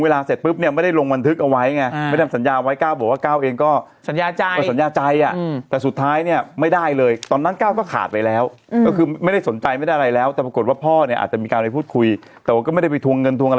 ก็เลยนำมาไว้ที่วัดแต่ที่โดดเด่นสะดุดตาก็คือวิคุณตาคนนึง